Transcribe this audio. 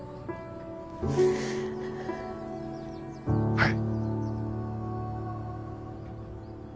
はい。